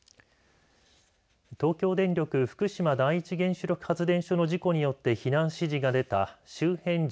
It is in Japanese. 東京電力福島第一原子力発電所の事故によって避難指示が出た周辺１２